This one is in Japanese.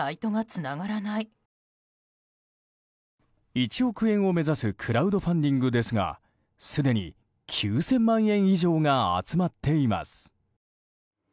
１億円を目指すクラウドファンディングですがすでに９０００万円以上が集まっています。